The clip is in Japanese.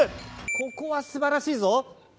ここはすばらしいぞ。